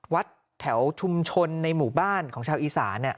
วัดแถวชุมชนในหมู่บ้านของชาวอีสาน